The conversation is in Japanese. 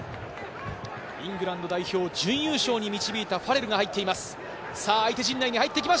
イングランド代表、準優勝に導いたファレルが入っています。